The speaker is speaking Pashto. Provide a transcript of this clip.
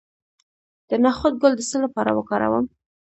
د نخود ګل د څه لپاره وکاروم؟